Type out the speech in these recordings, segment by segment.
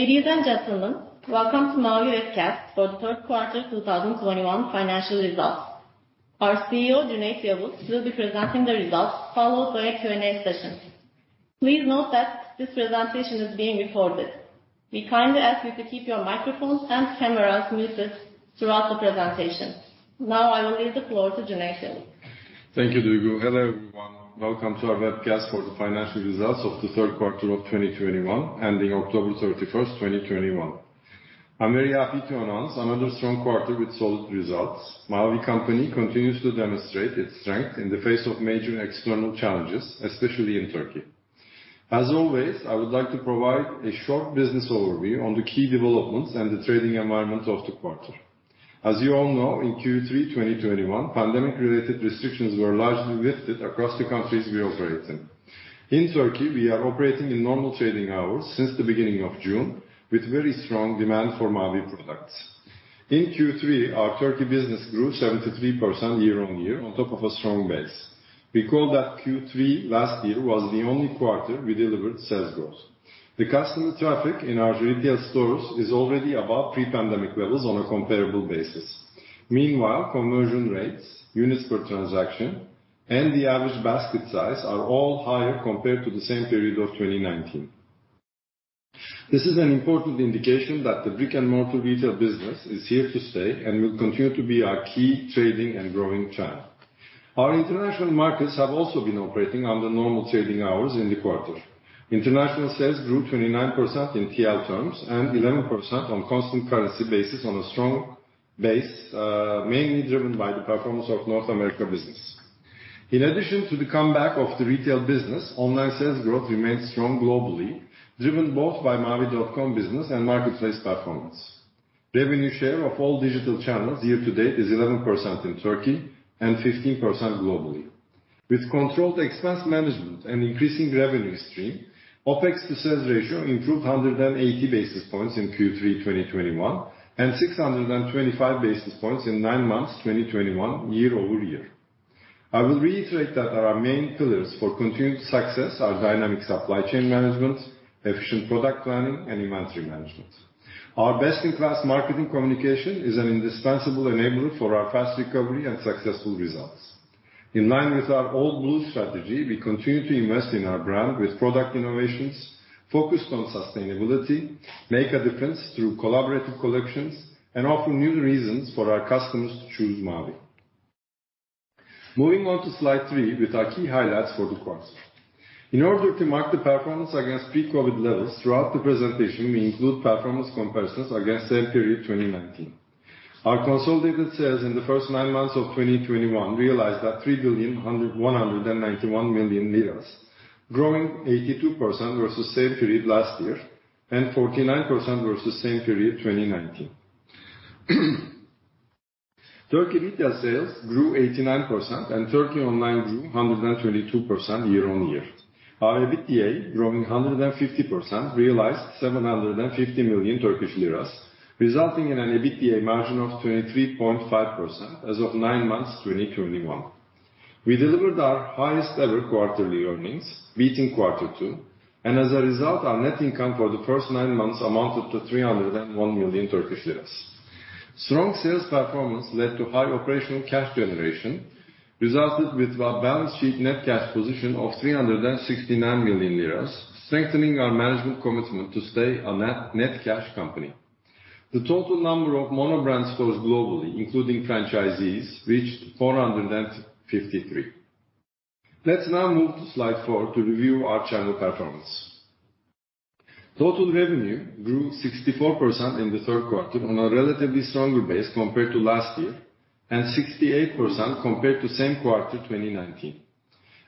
Ladies and gentlemen, welcome to Mavi webcast for the third quarter 2021 financial results. Our CEO, Cüneyt Yavuz, will be presenting the results followed by a Q&A session. Please note that this presentation is being recorded. We kindly ask you to keep your microphones and cameras muted throughout the presentation. Now I will leave the floor to Cüneyt Yavuz. Thank you, Duygu. Hello, everyone. Welcome to our webcast for the financial results of the third quarter of 2021, ending October 31, 2021. I'm very happy to announce another strong quarter with solid results. Mavi company continues to demonstrate its strength in the face of major external challenges, especially in Turkey. As always, I would like to provide a short business overview on the key developments and the trading environment of the quarter. As you all know, in Q3 2021, pandemic-related restrictions were largely lifted across the countries we operate in. In Turkey, we are operating in normal trading hours since the beginning of June, with very strong demand for Mavi products. In Q3, our Turkey business grew 73% year-on-year on top of a strong base. Recall that Q3 last year was the only quarter we delivered sales growth. The customer traffic in our retail stores is already above pre-pandemic levels on a comparable basis. Meanwhile, conversion rates, units per transaction, and the average basket size are all higher compared to the same period of 2019. This is an important indication that the brick and mortar retail business is here to stay and will continue to be our key trading and growing channel. Our international markets have also been operating under normal trading hours in the quarter. International sales grew 29% in TL terms and 11% on constant currency basis on a strong base, mainly driven by the performance of North America business. In addition to the comeback of the retail business, online sales growth remains strong globally, driven both by mavi.com business and marketplace performance. Revenue share of all digital channels year to date is 11% in Turkey and 15% globally. With controlled expense management and increasing revenue stream, OPEX to sales ratio improved 180 basis points in Q3 2021 and 625 basis points in nine months 2021 year-over-year. I will reiterate that our main pillars for continued success are dynamic supply chain management, efficient product planning and inventory management. Our best-in-class marketing communication is an indispensable enabler for our fast recovery and successful results. In line with our All Blue strategy, we continue to invest in our brand with product innovations, focused on sustainability, make a difference through collaborative collections, and offer new reasons for our customers to choose Mavi. Moving on to slide three with our key highlights for the quarter. In order to mark the performance against pre-COVID levels throughout the presentation, we include performance comparisons against same period 2019. Our consolidated sales in the first nine months of 2021 realized at 3.191 billion, growing 82% versus same period last year and 49% versus same period 2019. Turkey retail sales grew 89% and Turkey online grew 122% year-on-year. Our EBITDA, growing 150%, realized 750 million Turkish lira, resulting in an EBITDA margin of 23.5% as of nine months, 2021. We delivered our highest ever quarterly earnings, beating quarter two, and as a result, our net income for the first nine months amounted to 301 million Turkish lira. Strong sales performance led to high operational cash generation, resulted with a balance sheet net cash position of 369 million lira, strengthening our management commitment to stay a net cash company. The total number of mono brand stores globally, including franchisees, reached 453. Let's now move to slide four to review our channel performance. Total revenue grew 64% in the third quarter on a relatively stronger base compared to last year and 68% compared to same quarter, 2019.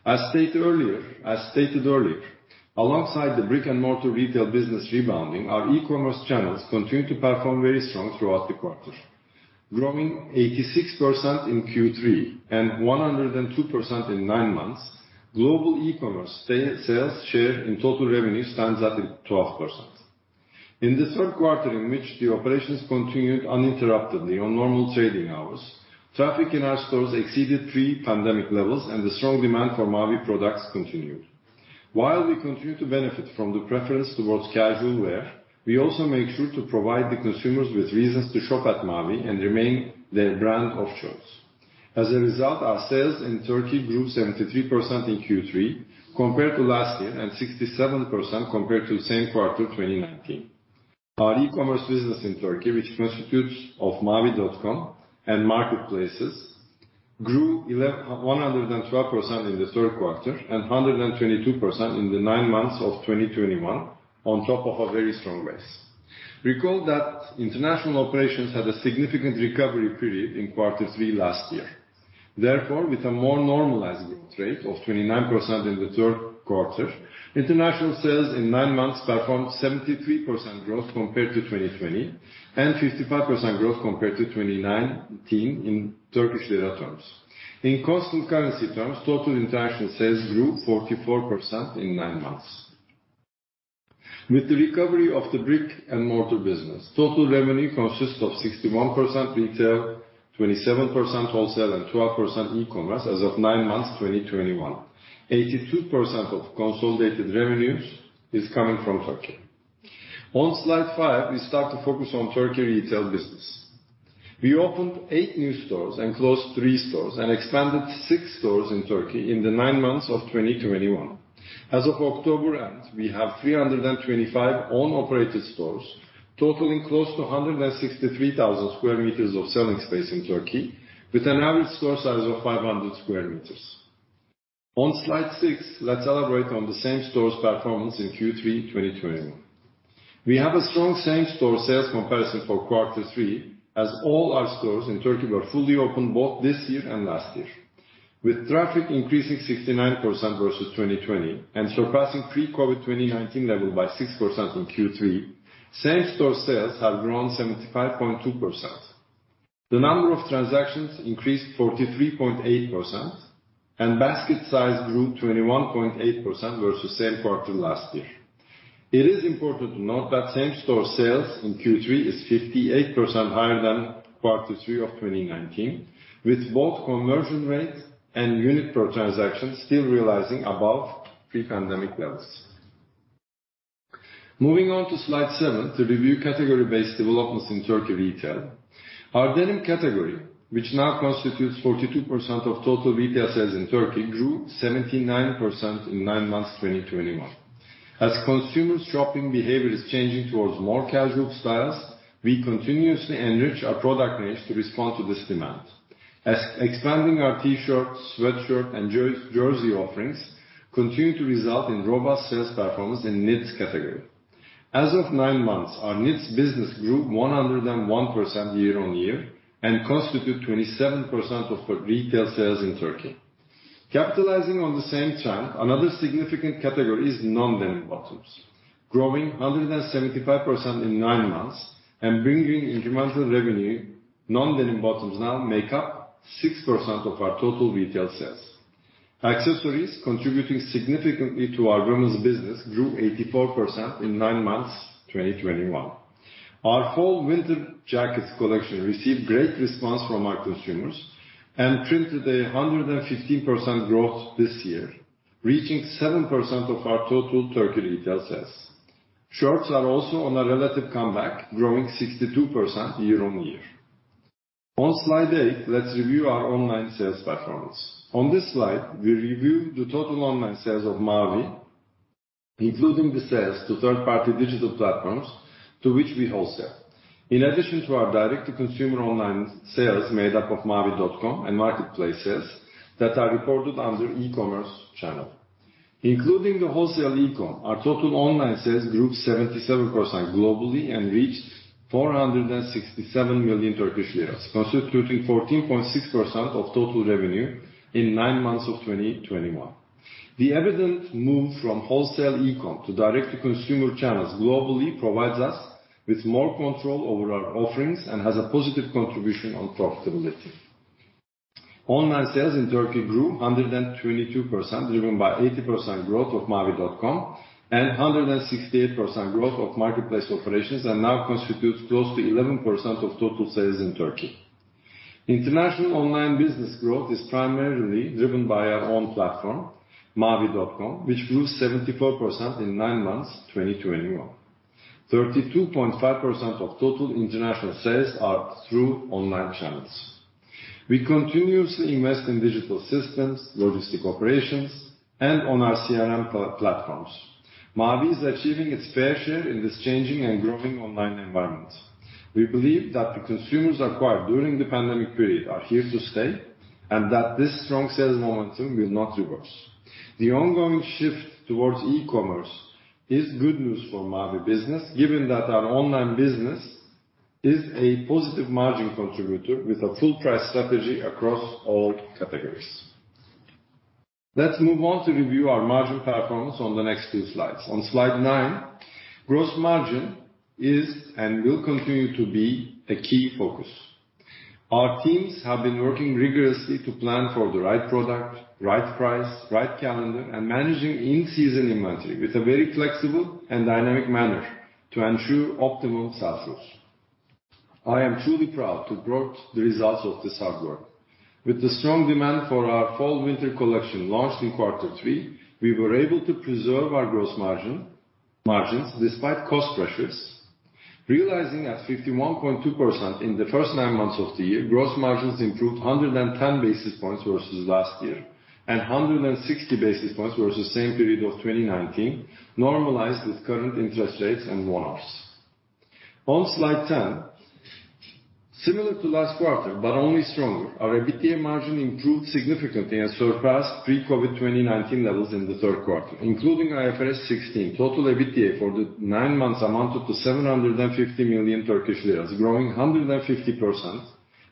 As stated earlier, alongside the brick and mortar retail business rebounding, our e-commerce channels continued to perform very strong throughout the quarter. Growing 86% in Q3 and 102% in nine months, global e-commerce sales share in total revenue stands at 12%. In the third quarter in which the operations continued uninterruptedly on normal trading hours, traffic in our stores exceeded pre-pandemic levels and the strong demand for Mavi products continued. While we continue to benefit from the preference towards casual wear, we also make sure to provide the consumers with reasons to shop at Mavi and remain their brand of choice. As a result, our sales in Turkey grew 73% in Q3 compared to last year and 67% compared to the same quarter, 2019. Our e-commerce business in Turkey, which constitutes of mavi.com and marketplaces, grew 112% in the third quarter and 122% in the nine months of 2021 on top of a very strong base. Recall that international operations had a significant recovery period in quarter three last year. Therefore, with a more normalized growth rate of 29% in the third quarter, international sales in nine months performed 73% growth compared to 2020 and 55% growth compared to 2019 in Turkish lira terms. In constant currency terms, total international sales grew 44% in nine months. With the recovery of the brick and mortar business, total revenue consists of 61% retail, 27% wholesale and 12% e-commerce as of nine months 2021. 82% of consolidated revenues is coming from Turkey. On slide five, we start to focus on Turkey retail business. We opened eight new stores and closed three stores and expanded six stores in Turkey in the nine months of 2021. As of October end, we have 325 own-operated stores, totaling close to 163,000 sq m of selling space in Turkey, with an average store size of 500 sq m. On slide six, let's elaborate on the same-store sales performance in Q3 2021. We have a strong same-store sales comparison for quarter three, as all our stores in Turkey were fully open both this year and last year. With traffic increasing 69% versus 2020 and surpassing pre-COVID 2019 level by 6% in Q3, same-store sales have grown 75.2%. The number of transactions increased 43.8%, and basket size grew 21.8% versus same quarter last year. It is important to note that same-store sales in Q3 is 58% higher than quarter three of 2019, with both conversion rate and unit per transaction still realizing above pre-pandemic levels. Moving on to slide seven to review category-based developments in Turkey retail. Our denim category, which now constitutes 42% of total retail sales in Turkey, grew 79% in nine months, 2021. As consumers' shopping behavior is changing towards more casual styles, we continuously enrich our product range to respond to this demand. Expanding our T-shirts, sweatshirt, and jersey offerings continue to result in robust sales performance in knits category. As of nine months, our knits business grew 101% year-on-year and constitute 27% of retail sales in Turkey. Capitalizing on the same trend, another significant category is non-denim bottoms. Growing 175% in nine months and bringing incremental revenue, non-denim bottoms now make up 6% of our total retail sales. Accessories contributing significantly to our women's business grew 84% in nine months, 2021. Our fall winter jackets collection received great response from our consumers and printed 115% growth this year, reaching 7% of our total Turkey retail sales. Shirts are also on a relative comeback, growing 62% year-on-year. On slide eight, let's review our online sales performance. On this slide, we review the total online sales of Mavi, including the sales to third-party digital platforms to which we wholesale. In addition to our direct-to-consumer online sales made up of mavi.com and marketplace sales that are reported under e-commerce channel. Including the wholesale e-com, our total online sales grew 77% globally and reached 467 million Turkish lira, constituting 14.6% of total revenue in nine months of 2021. The evident move from wholesale e-com to direct-to-consumer channels globally provides us with more control over our offerings and has a positive contribution on profitability. Online sales in Turkey grew 122% driven by 80% growth of mavi.com and 168% growth of marketplace operations and now constitutes close to 11% of total sales in Turkey. International online business growth is primarily driven by our own platform, mavi.com, which grew 74% in nine months, 2021. 32.5% of total international sales are through online channels. We continuously invest in digital systems, logistics operations, and on our CRM platforms. Mavi is achieving its fair share in this changing and growing online environment. We believe that the consumers acquired during the pandemic period are here to stay, and that this strong sales momentum will not reverse. The ongoing shift towards e-commerce is good news for Mavi business, given that our online business is a positive margin contributor with a full price strategy across all categories. Let's move on to review our margin performance on the next two slides. On slide nine, gross margin is, and will continue to be, a key focus. Our teams have been working rigorously to plan for the right product, right price, right calendar, and managing in-season inventory with a very flexible and dynamic manner to ensure optimal sell-throughs. I am truly proud to report the results of this hard work. With the strong demand for our fall winter collection launched in quarter three, we were able to preserve our gross margin, margins despite cost pressures. Realizing 51.2% in the first nine months of the year, gross margins improved 110 basis points versus last year, and 160 basis points versus same period of 2019, normalized with current interest rates and one-offs. On slide 10, similar to last quarter, but only stronger, our EBITDA margin improved significantly and surpassed pre-COVID 2019 levels in the third quarter, including IFRS 16, total EBITDA for the nine months amounted to 750 million Turkish lira, growing 150%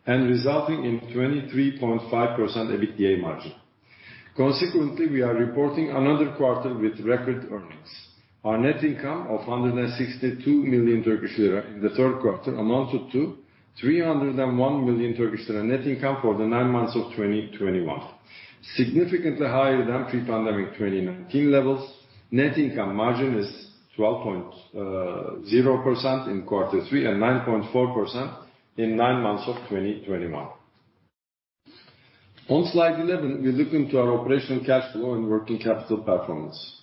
and resulting in 23.5% EBITDA margin. Consequently, we are reporting another quarter with record earnings. Our net income of 162 million Turkish lira in the third quarter amounted to 301 million Turkish lira net income for the nine months of 2021. Significantly higher than pre-pandemic 2019 levels. Net income margin is 12.0% in quarter three, and 9.4% in nine months of 2021. On slide 11, we look into our operational cash flow and working capital performance.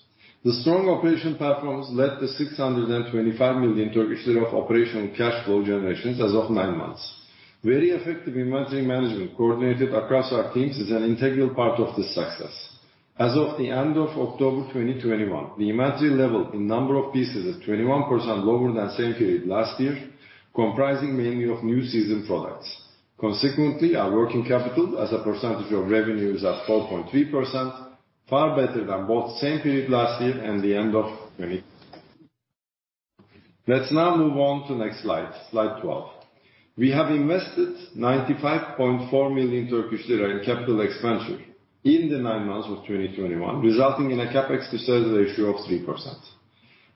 The strong operational performance led to 625 million Turkish lira of operational cash flow generations as of nine months. Very effective inventory management coordinated across our teams is an integral part of this success. As of the end of October 2021, the inventory level in number of pieces is 21% lower than same period last year, comprising mainly of new season products. Consequently, our working capital as a percentage of revenue is at 4.3%, far better than both same period last year and the end of. Let's now move on to next slide 12. We have invested 95.4 million Turkish lira in capital expansion in the nine months of 2021, resulting in a CapEx to sales ratio of 3%.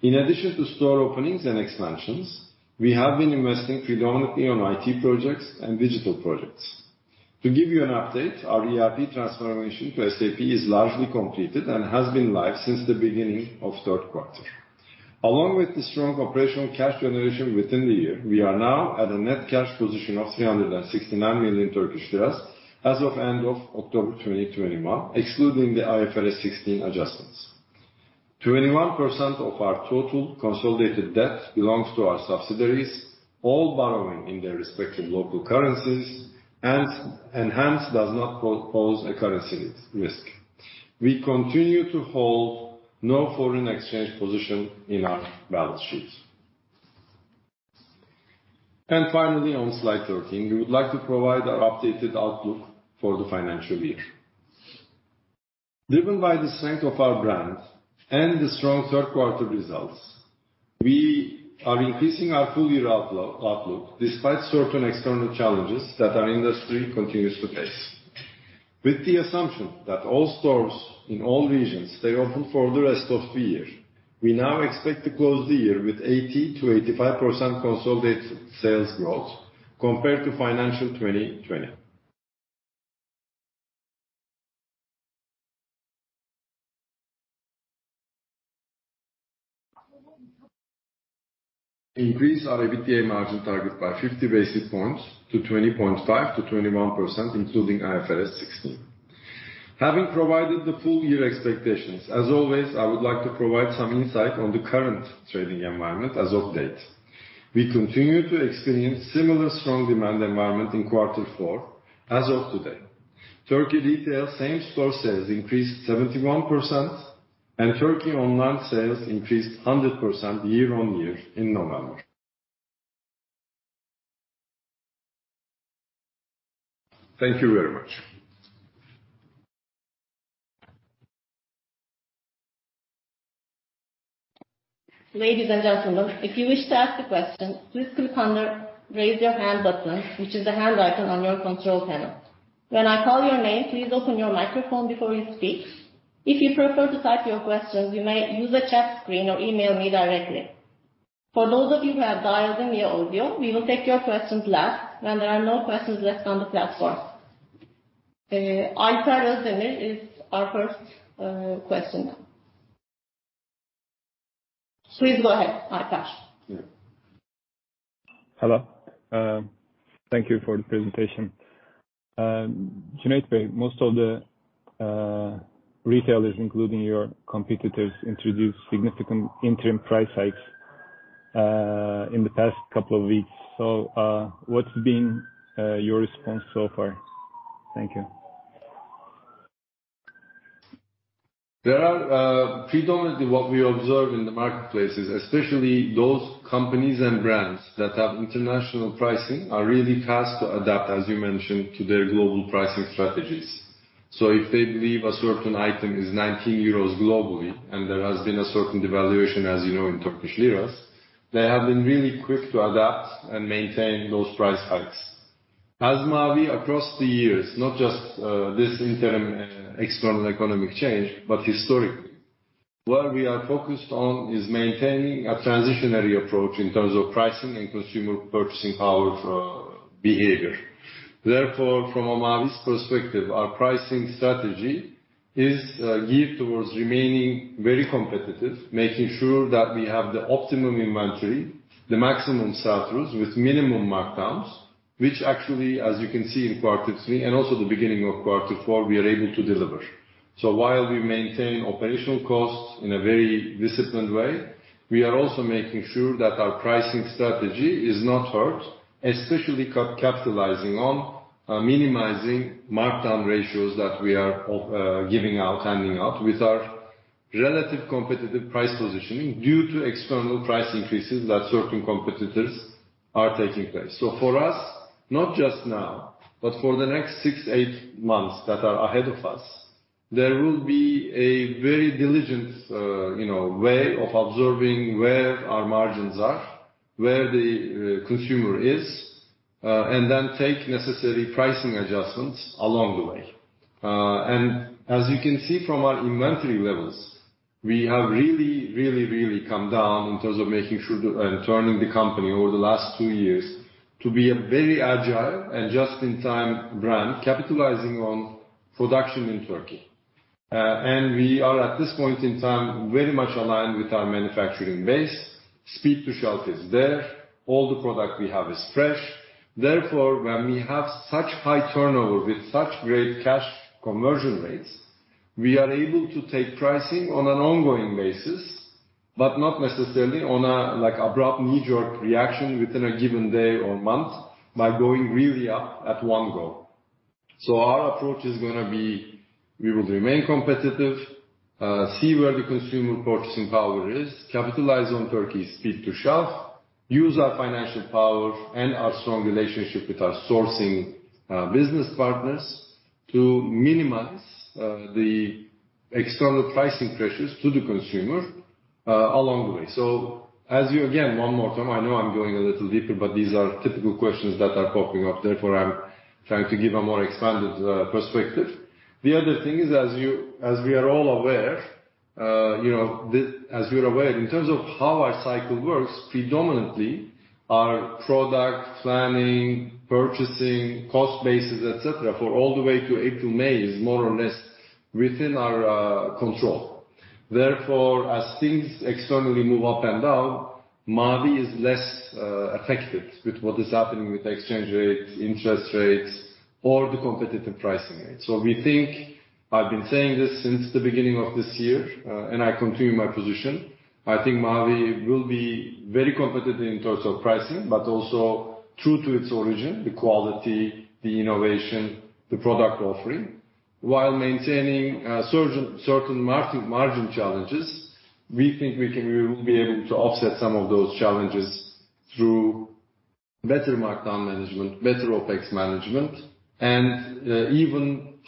In addition to store openings and expansions, we have been investing predominantly on IT projects and digital projects. To give you an update, our ERP transformation to SAP is largely completed and has been live since the beginning of third quarter. Along with the strong operational cash generation within the year, we are now at a net cash position of TRY 369 million as of end of October 2021, excluding the IFRS 16 adjustments. 21% of our total consolidated debt belongs to our subsidiaries, all borrowing in their respective local currencies and hence does not pose a currency risk. We continue to hold no foreign exchange position in our balance sheets. Finally, on slide thirteen, we would like to provide our updated outlook for the financial year. Driven by the strength of our brand and the strong third quarter results, we are increasing our full year outlook despite certain external challenges that our industry continues to face. With the assumption that all stores in all regions stay open for the rest of the year, we now expect to close the year with 80%-85% consolidated sales growth compared to financial 2020. Increase our EBITDA margin target by 50 basis points to 20.5%-21%, including IFRS 16. Having provided the full year expectations, as always, I would like to provide some insight on the current trading environment as of today. We continue to experience similar strong demand environment in quarter four as of today. Turkey retail same-store sales increased 71%, and Turkey online sales increased 100% year-on-year in November. Thank you very much. Ladies and gentlemen, if you wish to ask a question, please click on the Raise Your Hand button, which is the hand icon on your control panel. When I call your name, please open your microphone before you speak. If you prefer to type your questions, you may use the chat screen or email me directly. For those of you who have dialed in via audio, we will take your questions last when there are no questions left on the platform. Alper Özdemir is our first questioner. Please go ahead, Alper. Yeah. Hello. Thank you for the presentation. Cüneyt Bey, most of the retailers, including your competitors, introduced significant interim price hikes in the past couple of weeks. What's been your response so far? Thank you. There are predominantly what we observe in the marketplaces, especially those companies and brands that have international pricing, are really fast to adapt, as you mentioned, to their global pricing strategies. If they believe a certain item is 19 euros globally, and there has been a certain devaluation, as you know, in Turkish lira, they have been really quick to adapt and maintain those price hikes. As Mavi across the years, not just this interim external economic change, but historically, where we are focused on is maintaining a transitionary approach in terms of pricing and consumer purchasing powers, behavior. Therefore, from Mavi's perspective, our pricing strategy is geared towards remaining very competitive, making sure that we have the optimum inventory, the maximum sell-throughs with minimum markdowns, which actually, as you can see in quarter three and also the beginning of quarter four, we are able to deliver. While we maintain operational costs in a very disciplined way, we are also making sure that our pricing strategy is not hurt, especially capitalizing on minimizing markdown ratios that we are giving out with our relative competitive price positioning due to external price increases that certain competitors are taking. For us, not just now, but for the next six, eight months that are ahead of us, there will be a very diligent way of observing where our margins are, where the consumer is, and then take necessary pricing adjustments along the way. As you can see from our inventory levels, we have really come down in terms of making sure turning the company over the last two years to be a very agile and just-in-time brand capitalizing on production in Turkey. We are, at this point in time, very much aligned with our manufacturing base. Speed to shelf is there. All the product we have is fresh. Therefore, when we have such high turnover with such great cash conversion rates, we are able to take pricing on an ongoing basis, but not necessarily on a, like, abrupt knee-jerk reaction within a given day or month by going really up at one go. Our approach is gonna be, we will remain competitive, see where the consumer purchasing power is, capitalize on Turkey's speed to shelf, use our financial power and our strong relationship with our sourcing business partners to minimize the external pricing pressures to the consumer along the way. As you, again, one more time, I know I'm going a little deeper, but these are typical questions that are popping up, therefore I'm trying to give a more expanded perspective. The other thing is, as you, as we are all aware, you know, the As you're aware, in terms of how our cycle works, predominantly our product planning, purchasing, cost bases, et cetera, for all the way to April, May is more or less within our control. Therefore, as things externally move up and down, Mavi is less affected with what is happening with exchange rates, interest rates, or the competitive pricing rate. We think, I've been saying this since the beginning of this year, and I continue my position, I think Mavi will be very competitive in terms of pricing, but also true to its origin, the quality, the innovation, the product offering. While maintaining certain margin challenges, we think we can. We will be able to offset some of those challenges through better markdown management,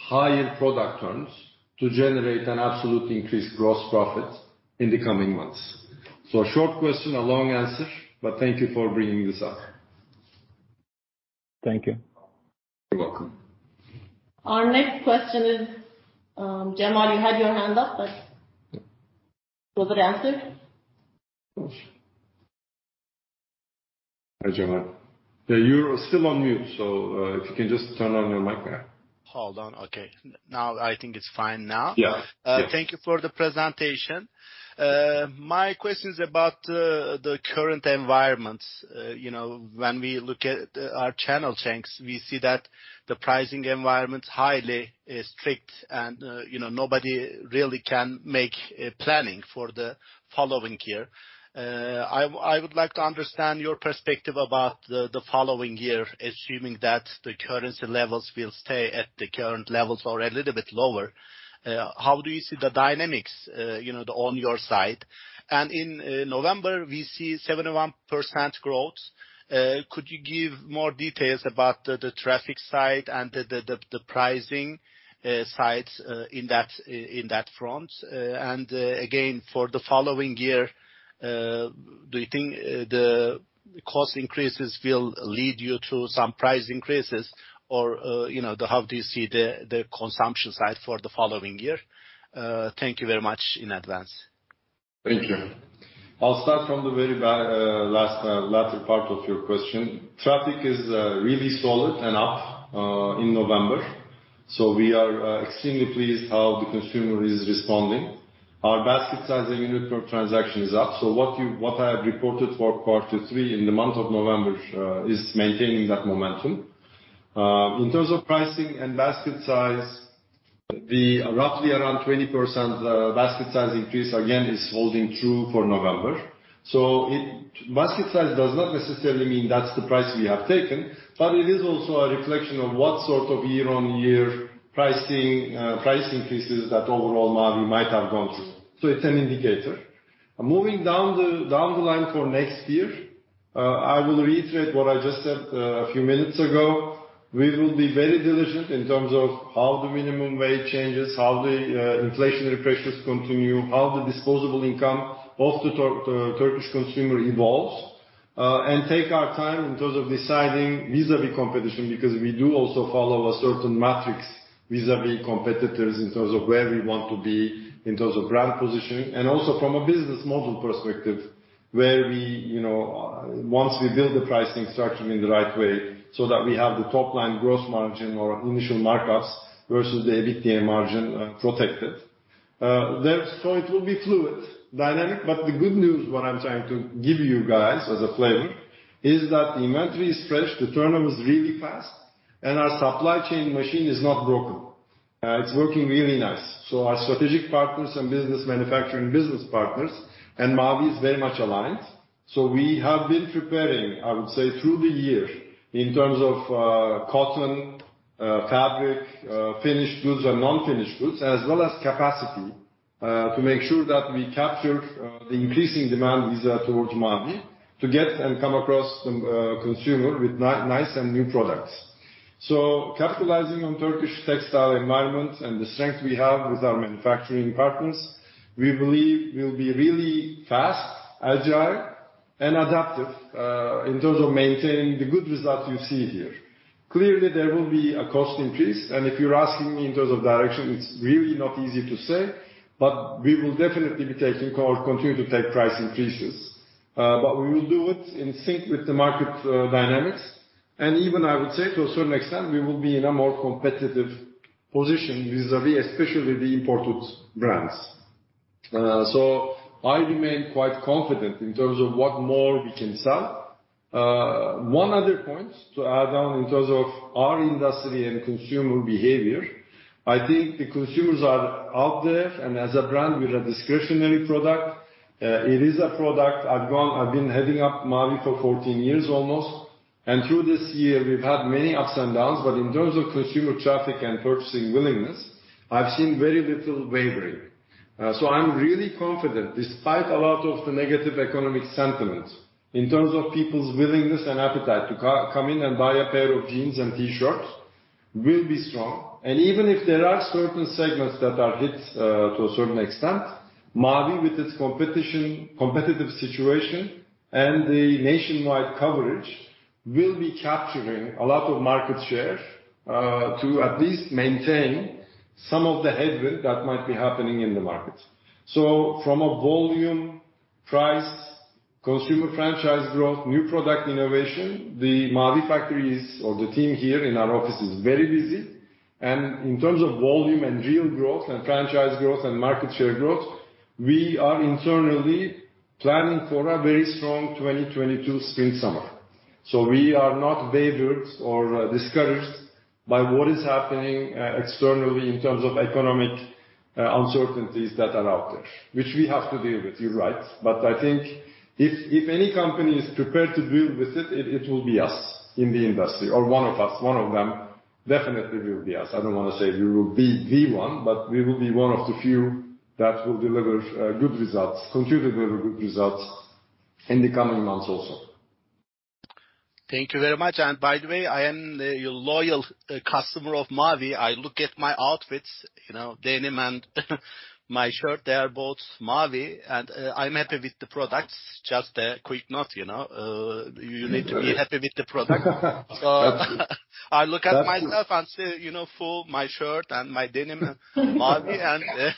better OpEx management, and even higher product turns to generate an absolute increased gross profit in the coming months. A short question, a long answer, but thank you for bringing this up. Thank you. You're welcome. Our next question is, Cemal, you had your hand up, but was it answered? Of course. Hi, Cemal. Yeah, you're still on mute, so, if you can just turn on your mic. Hold on. Okay. Now, I think it's fine now. Yeah. Yeah. Thank you for the presentation. My question is about the current environment. You know, when we look at our channel checks, we see that the pricing environment is highly strict and, you know, nobody really can make planning for the following year. I would like to understand your perspective about the following year, assuming that the currency levels will stay at the current levels or a little bit lower. How do you see the dynamics, you know, on your side? And in November, we see 71% growth. Could you give more details about the traffic side and the pricing sides in that front? Again, for the following year, do you think the cost increases will lead you to some price increases or, you know, how do you see the consumption side for the following year? Thank you very much in advance. Thank you. I'll start from the very latter part of your question. Traffic is really solid and up in November. We are extremely pleased how the consumer is responding. Our basket size and unit per transaction is up. What I have reported for quarter three in the month of November is maintaining that momentum. In terms of pricing and basket size, the roughly around 20% basket size increase again is holding true for November. Basket size does not necessarily mean that's the price we have taken, but it is also a reflection of what sort of year-over-year pricing price increases that overall Mavi might have gone through. It's an indicator. Moving down the line for next year, I will reiterate what I just said a few minutes ago. We will be very diligent in terms of how the minimum wage changes, how the inflationary pressures continue, how the disposable income of the Turkish consumer evolves, and take our time in terms of deciding vis-à-vis competition, because we do also follow a certain matrix vis-à-vis competitors in terms of where we want to be, in terms of brand positioning. Also from a business model perspective, where we, you know, once we build the pricing structure in the right way, so that we have the top line gross margin or initial markups versus the EBITDA margin protected. It will be fluid, dynamic, but the good news, what I'm trying to give you guys as a flavor, is that the inventory is fresh, the turnover is really fast, and our supply chain machine is not broken. It's working really nice. Our strategic partners and business manufacturing partners and Mavi is very much aligned. We have been preparing, I would say, through the year in terms of cotton, fabric, finished goods and unfinished goods, as well as capacity, to make sure that we capture the increasing demand towards Mavi to get and come across the consumer with nice and new products. Capitalizing on Turkish textile environment and the strength we have with our manufacturing partners, we believe we'll be really fast, agile, and adaptive, in terms of maintaining the good results you see here. Clearly there will be a cost increase. If you're asking me in terms of direction, it's really not easy to say, but we will definitely be taking or continue to take price increases. We will do it in sync with the market dynamics. Even I would say to a certain extent, we will be in a more competitive position vis-à-vis especially the imported brands. I remain quite confident in terms of what more we can sell. One other point to add on in terms of our industry and consumer behavior. I think the consumers are out there, and as a brand, we're a discretionary product. It is a product I've been heading up Mavi for 14 years almost. Through this year we've had many ups and downs, but in terms of consumer traffic and purchasing willingness, I've seen very little wavering. I'm really confident despite a lot of the negative economic sentiment in terms of people's willingness and appetite to come in and buy a pair of jeans and T-shirts will be strong. Even if there are certain segments that are hit to a certain extent, Mavi with its competition, competitive situation and the nationwide coverage, will be capturing a lot of market share to at least maintain some of the headwind that might be happening in the market. From a volume, price, consumer franchise growth, new product innovation, the team here in our office is very busy. In terms of volume and real growth and franchise growth and market share growth, we are internally planning for a very strong 2022 spring summer. We are not wavered or discouraged by what is happening externally in terms of economic uncertainties that are out there, which we have to deal with, you're right. I think if any company is prepared to deal with it will be us in the industry or one of us, one of them definitely will be us. I don't wanna say we will be the one, but we will be one of the few that will deliver good results, continue to deliver good results in the coming months also. Thank you very much. By the way, I am a loyal customer of Mavi. I look at my outfits, you know, denim and my shirt. They are both Mavi, and I'm happy with the products. Just a quick note, you know, you need to be happy with the product. That's it. I look at myself and say, you know, for my shirt and my denim, Mavi, and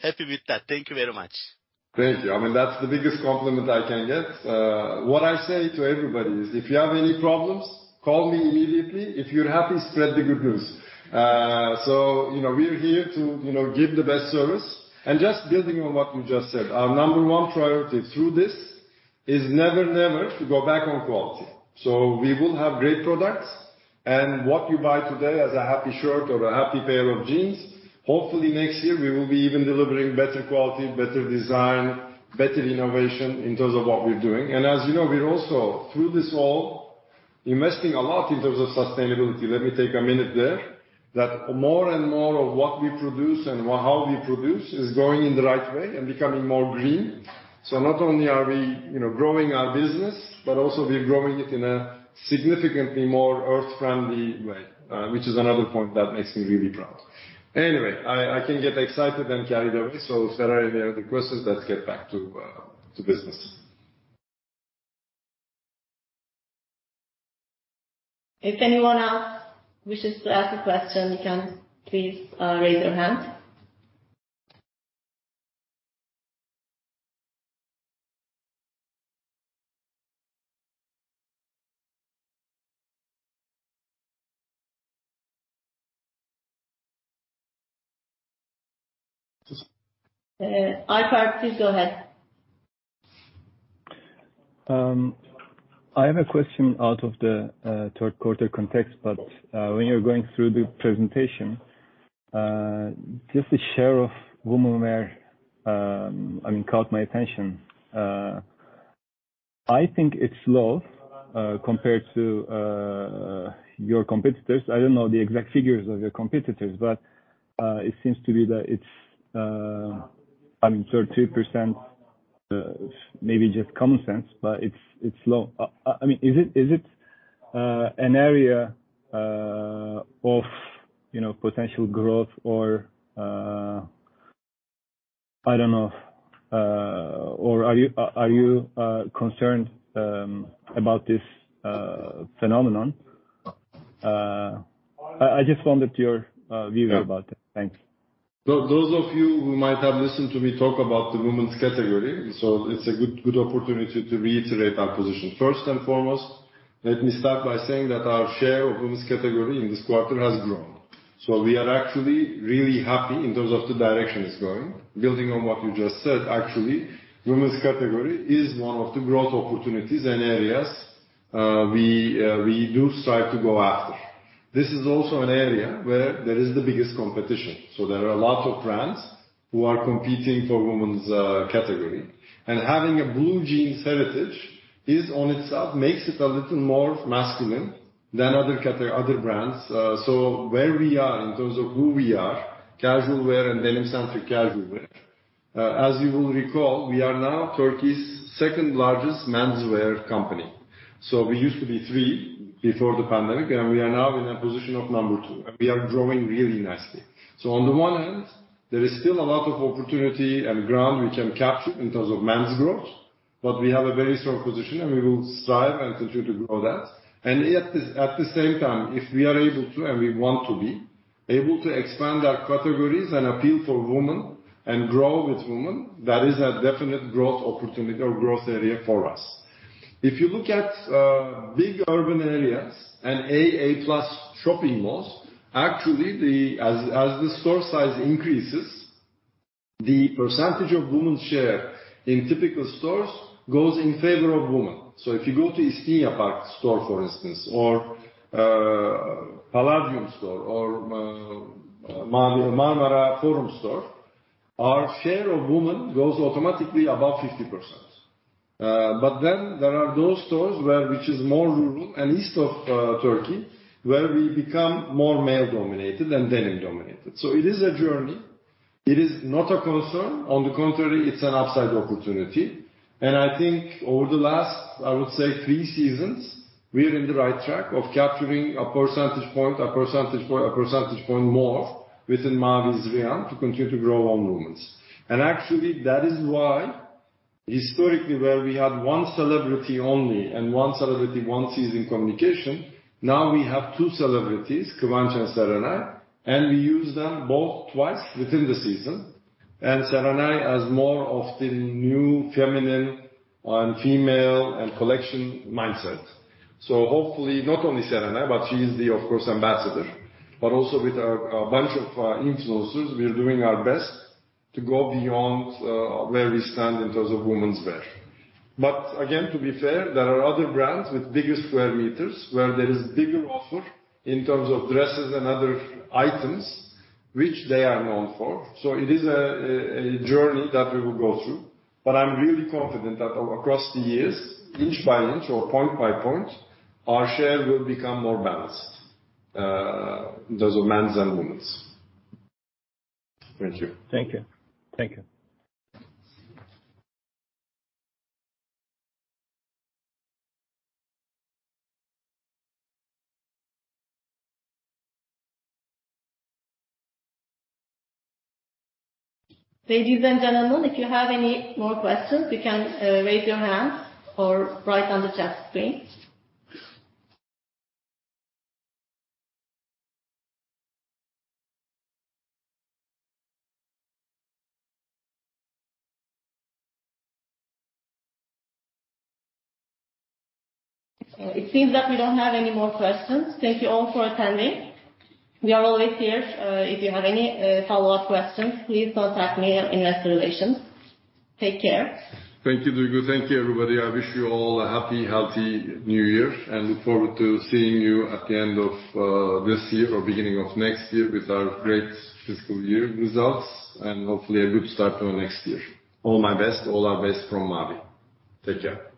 happy with that. Thank you very much. Thank you. I mean, that's the biggest compliment I can get. What I say to everybody is, if you have any problems, call me immediately. If you're happy, spread the good news. You know, we are here to, you know, give the best service. Just building on what you just said, our number one priority through this is never to go back on quality. We will have great products and what you buy today as a happy shirt or a happy pair of jeans, hopefully next year we will be even delivering better quality, better design, better innovation in terms of what we're doing. As you know, we're also through this all investing a lot in terms of sustainability. Let me take a minute there. That more and more of what we produce and how we produce is going in the right way and becoming more green. Not only are we, you know, growing our business, but also we're growing it in a significantly more earth-friendly way, which is another point that makes me really proud. Anyway, I can get excited and carried away. If there are any other questions, let's get back to business. If anyone else wishes to ask a question, you can please raise your hand. Alper, please go ahead. I have a question out of the third quarter context, but when you're going through the presentation, just the share of women wear, I mean, caught my attention. I think it's low compared to your competitors. I don't know the exact figures of your competitors, but it seems to be that it's, I mean, 30%, maybe just common sense, but it's low. I mean, is it an area of, you know, potential growth or I don't know, or are you concerned about this phenomenon? I just wondered your view about it. Thanks. Those of you who might have listened to me talk about the women's category. It's a good opportunity to reiterate our position. First and foremost, let me start by saying that our share of women's category in this quarter has grown. We are actually really happy in terms of the direction it's going. Building on what you just said, actually, women's category is one of the growth opportunities and areas we do strive to go after. This is also an area where there is the biggest competition. There are a lot of brands who are competing for women's category. Having a blue jeans heritage in itself makes it a little more masculine than other brands. Where we are in terms of who we are, casual wear and denim-centric casual wear. As you will recall, we are now Turkey's second-largest menswear company. We used to be third before the pandemic, and we are now in a position of number two, and we are growing really nicely. On the one hand, there is still a lot of opportunity and ground we can capture in terms of men's growth. We have a very strong position, and we will strive and continue to grow that. Yet at the same time, if we are able to, and we want to be able to expand our categories and appeal for women and grow with women, that is a definite growth opportunity or growth area for us. If you look at big urban areas and A-plus shopping malls, actually as the store size increases, the percentage of women's share in typical stores goes in favor of women. If you go to Istinye Park store, for instance, or Palladium store or Marmara Forum store, our share of women goes automatically above 50%. Then there are those stores which are more rural and east of Turkey, where we become more male-dominated and denim-dominated. It is a journey. It is not a concern. On the contrary, it's an upside opportunity. I think over the last, I would say, three seasons, we're in the right track of capturing a percentage point more within Mavi's realm to continue to grow on women's. Actually, that is why historically, where we had one celebrity only and one celebrity one season communication, now we have two celebrities, Kıvanç and Serenay, and we use them both twice within the season. Serenay as more of the new feminine and female and collection mindset. Hopefully not only Serenay, but she's the, of course, ambassador, but also with a bunch of influencers, we are doing our best to go beyond where we stand in terms of women's wear. Again, to be fair, there are other brands with bigger square meters where there is bigger offer in terms of dresses and other items which they are known for. It is a journey that we will go through. I'm really confident that across the years, inch by inch or point by point, our share will become more balanced in terms of men's and women's. Thank you. Thank you. Thank you. Ladies and gentlemen, if you have any more questions, you can raise your hand or write on the chat screen. It seems that we don't have any more questions. Thank you all for attending. We are always here. If you have any follow-up questions, please contact me or investor relations. Take care. Thank you, Duygu. Thank you, everybody. I wish you all a happy, healthy New Year, and look forward to seeing you at the end of this year or beginning of next year with our great fiscal year results and hopefully a good start to our next year. All my best. All our best from Mavi. Take care.